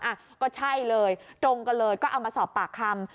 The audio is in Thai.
อ่ะก็ใช่เลยตรงกันเลยก็เอามาสอบปากคำ